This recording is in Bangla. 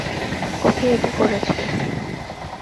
ওকে, এটা করেছি।